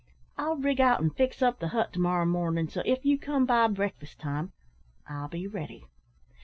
I'll rig out and fix up the hut to morrow mornin', so if ye come by breakfast time I'll be ready."